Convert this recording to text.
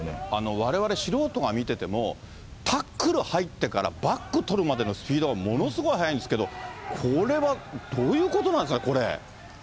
われわれ素人が見てても、タックル入ってからバック取るまでのスピードがものすごい速いんですけど、これはどういうことなんですか、これ。